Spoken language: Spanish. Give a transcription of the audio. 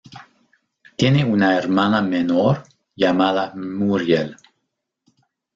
Tiene una hermana menor llamada Muriel.